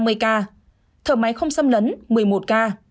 thở máy không xâm lấn một mươi một ca